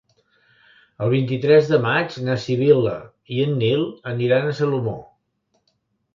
El vint-i-tres de maig na Sibil·la i en Nil aniran a Salomó.